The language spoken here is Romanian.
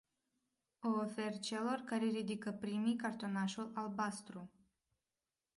O ofer celor care ridică primii cartonașul albastru.